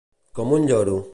Com un lloro.